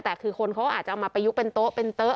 แต่คือคนเขาอาจจะเอามาประยุกต์เป็นโต๊ะเป็นโต๊ะ